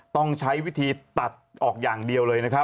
ต้องใช้วิธีตัดออกอย่างเดียวเลยนะครับ